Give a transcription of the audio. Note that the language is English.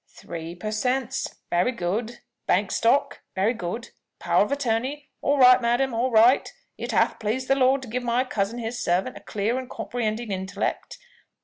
"Three per Cents very good. Bank Stock very good. Power of Attorney. All right, madam, all right. It hath pleased the Lord to give my cousin, his servant, a clear and comprehending intellect.